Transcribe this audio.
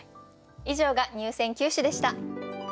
以上が入選九首でした。